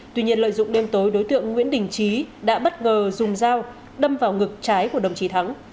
tuy nhiên lợi dụng đêm tối đối tượng nguyễn đình trí đã bất ngờ dùng dao đâm vào ngực trái của đồng chí thắng